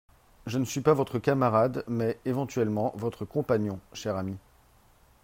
Je ne suis pas votre camarade mais, éventuellement, votre compagnon, cher ami.